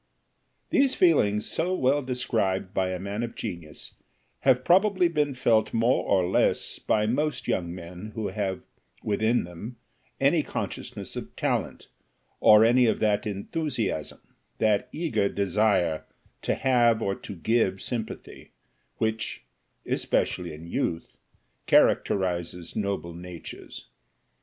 These feelings, so well described by a man of genius, have probably been felt more or less by most young men who have within them any consciousness of talent, or any of that enthusiasm, that eager desire to have or to give sympathy, which, especially in youth, characterises noble natures.